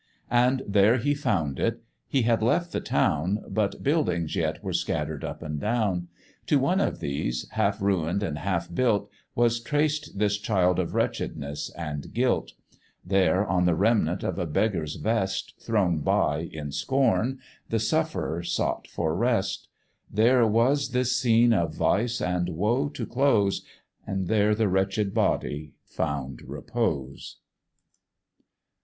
And there he found it: he had left the town, But buildings yet were scatter'd up and down; To one of these, half ruin'd and half built, Was traced this child of wretchedness and guilt; There, on the remnant of a beggar's vest, Thrown by in scorn, the sufferer sought for rest; There was this scene of vice and woe to close, And there the wretched body found repose.